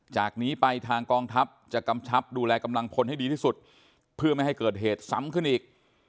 จากนี้ไปทางกองทัพจะกำชับดูแลกำลังพลให้ดีที่สุดเพื่อไม่ให้เกิดเหตุซ้ำขึ้นอีก